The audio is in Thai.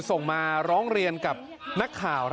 ส่งมาร้องเรียนกับนักข่าว